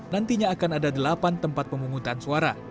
nantinya akan ada delapan tempat pemungutan suara